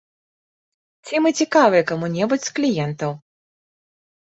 Ці мы цікавыя каму-небудзь з кліентаў.